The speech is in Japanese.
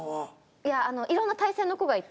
いやいろんな体勢の子がいて。